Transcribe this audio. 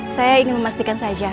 saya ingin memastikan saja